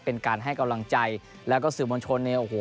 เป็นการให้กำลังใจแล้วก็สื่อมวลชนเนี่ยโอ้โห